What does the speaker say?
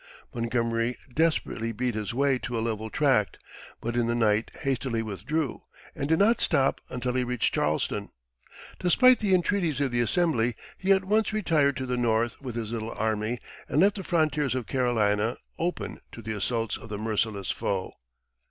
Montgomery desperately beat his way to a level tract, but in the night hastily withdrew, and did not stop until he reached Charleston. Despite the entreaties of the Assembly, he at once retired to the North with his little army, and left the frontiers of Carolina open to the assaults of the merciless foe.